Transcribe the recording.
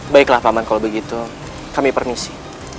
baiklah paman kalau begitu kami permisi